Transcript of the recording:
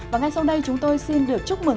và ngay sau đây chúng tôi xin được chúc mừng